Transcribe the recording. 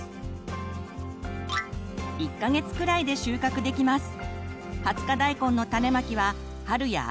１か月くらいで収穫できます。